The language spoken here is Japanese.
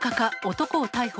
男を逮捕。